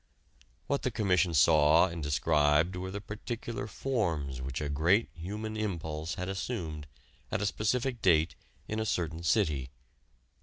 What the commission saw and described were the particular forms which a great human impulse had assumed at a specific date in a certain city.